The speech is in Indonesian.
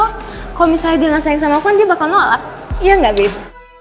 kalo misalnya dia gak sayang sama aku kan dia bakal nolak iya gak babe